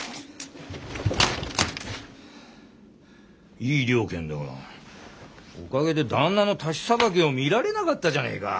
いい了見だがおかげで旦那の太刀さばきを見られなかったじゃねえか。